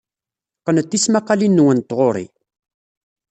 Qqnet tismaqqalin-nwen n tɣuri.